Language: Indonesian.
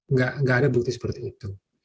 nggak ada bukti seperti itu